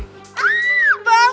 apa kalian pacar mereka